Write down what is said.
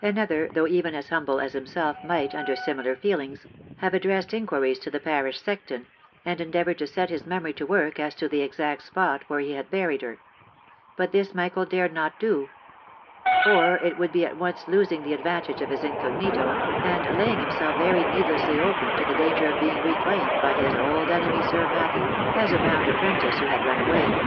Another, though even as humble as himself, might, under similar feelings, have addressed inquiries to the parish sexton, and endeavoured to set his memory to work as to the exact spot where he had buried her — but this Michael dared not do ; for it would be at once losing the advantage of his incognito, and laying himself very needlessly open to the dan ger of being reclaimed by his old enemy, Sir Matthew, as a bound ap prentice, who had run away.